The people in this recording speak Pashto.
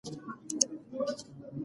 مور مې ماته د لمانځه اهمیت بیان کړ.